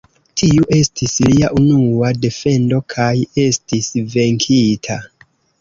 Tiu estis lia unua defendo kaj estis venkita.